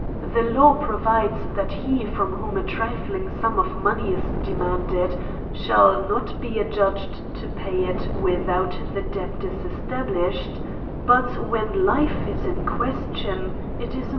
The law provides that he from whom a trifling sum of money is demanded, shall not be adjudged to pay it without the debt is esta blished — but when Jife is in question, it is a